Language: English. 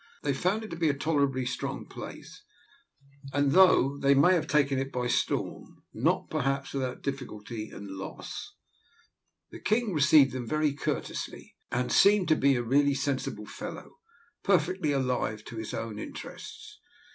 They found it to be a tolerably strong place, and though they might have taken it by storm, not, perhaps, without difficulty and loss. The king received them very courteously, and seemed to be really a sensible fellow, perfectly alive to his own interests.